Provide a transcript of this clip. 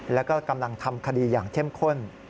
แล้วก็กำลังทำคดีอย่างเข้มข้น